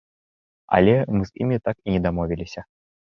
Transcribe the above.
Але мы з імі так і не дамовіліся.